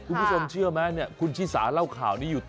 คุณผู้ชมเชื่อไหมเนี่ยคุณชิสาเล่าข่าวนี้อยู่